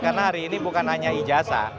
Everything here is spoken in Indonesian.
karena hari ini bukan hanya ijasa